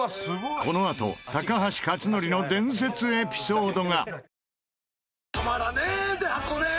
このあと高橋克典の伝説エピソードが！